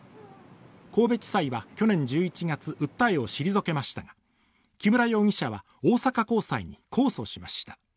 神戸地裁は去年１１月、訴えを退けましたが木村容疑者は大阪高裁に控訴しました。